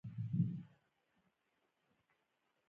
هغوی د چمن لاندې د راتلونکي خوبونه یوځای هم وویشل.